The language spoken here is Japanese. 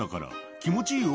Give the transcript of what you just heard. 気持ちいいよ。